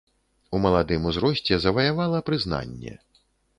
У маладым узросце заваявала прызнанне.